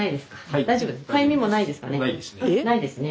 ないですね。